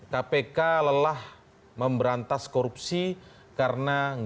kpk lelah memberantas korupsi karena gak ada perjuangan